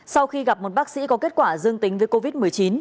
sau khi gặp một bác sĩ có kết quả dương tính với covid một mươi chín